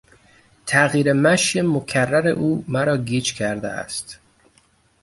تغییر مشی مکرر او مرا گیج کرده است.